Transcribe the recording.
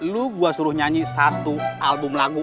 lu gue suruh nyanyi satu album lagu